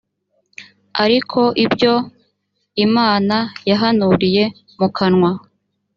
ariko ibyo imana yahanuriye mu kanwa